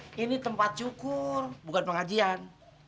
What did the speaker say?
ini tempat syukur bukan pengajian